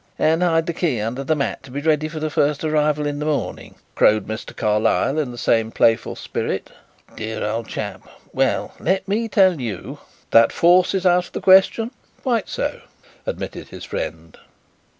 "And hide the key under the mat to be ready for the first arrival in the morning," crowed Mr. Carlyle, in the same playful spirit. "Dear old chap! Well, let me tell you " "That force is out of the question. Quite so," admitted his friend.